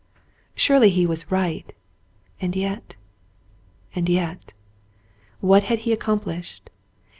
Surely he was right — and yet — and yet. What had he accomplished